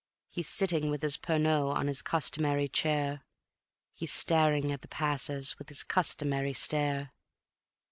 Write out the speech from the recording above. He's sitting with his Pernod on his customary chair; He's staring at the passers with his customary stare.